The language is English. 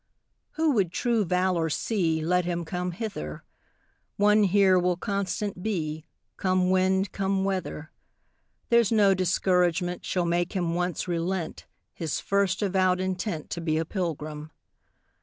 "Who would true valor see, Let him come hither; One here will constant be, Come wind, come weather; There's no discouragement Shall make him once relent His first avowed intent To be a pilgrim.